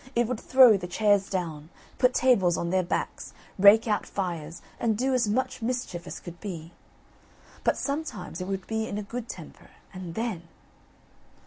It would throw the chairs down, put tables on their backs, rake out fires, and do as much mischief as could be. But sometimes it would be in a good temper, and then!